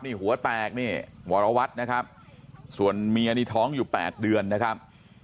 นี่หัวแตกนี่วรวัตรนะครับส่วนเมียนี่ท้องอยู่๘เดือนนะครับ